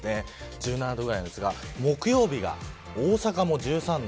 １７度ぐらいなんですが木曜日は大阪も１３度。